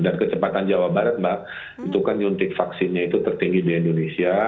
dan kecepatan jawa barat mbak itu kan nyuntik vaksinnya itu tertinggi di indonesia